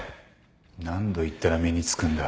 何度言ったら身に付くんだ？